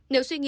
nếu suy nghĩ